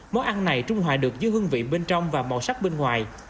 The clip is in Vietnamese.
món ăn này trung hoại được dưới hương vị bên trong và màu sắc bên ngoài